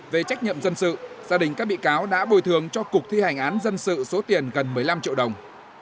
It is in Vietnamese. về trách nhiệm dân sự gia đình các bị cáo đã bồi thường cho cục thi hành án dân sự số tiền gần một mươi năm triệu đồng